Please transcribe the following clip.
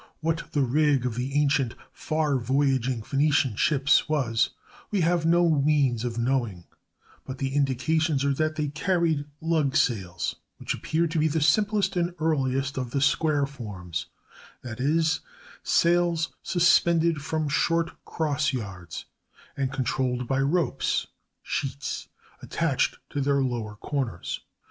What the rig of the ancient far voyaging Phenician ships was we have no means of knowing, but the indications are that they carried lug sails, which appear to be the simplest and earliest of the "square" forms; that is, sails suspended from short cross yards, and controlled by ropes (sheets) attached to their lower corners.